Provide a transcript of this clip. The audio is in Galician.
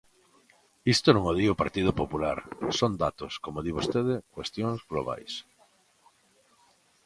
Isto non o di o Partido Popular, son datos, como di vostede, cuestións globais.